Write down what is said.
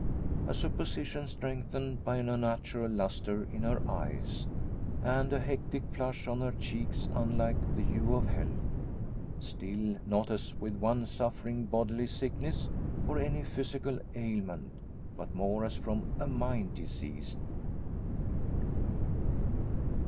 A supposition strengthened by an unnatural lustre in her eyes, and a hectic flush on her cheeks unlike the hue of health. Still, not as with one suffering bodily sickness, or any physical ailment, but more as from a mind diseased.